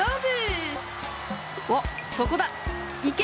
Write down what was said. おっそこだいけ！